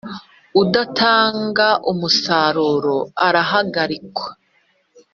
udatanga umusanzu, irahagarikwa.